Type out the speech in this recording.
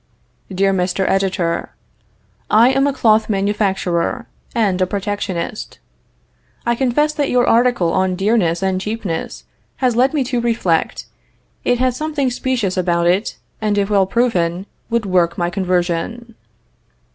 "DEAR MR. EDITOR: I am a cloth manufacturer, and a protectionist. I confess that your article on dearness and cheapness has led me to reflect. It has something specious about it, and if well proven, would work my conversion."